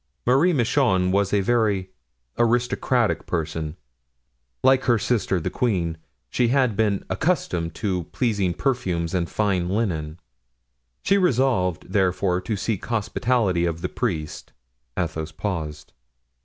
Marie Michon was a very aristocratic person; like her sister the queen, she had been accustomed to pleasing perfumes and fine linen; she resolved, therefore, to seek hospitality of the priest." Athos paused.